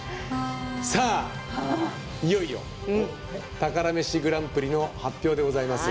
いよいよ「宝メシグランプリ」の発表でございます。